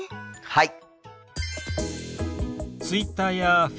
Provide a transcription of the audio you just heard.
はい。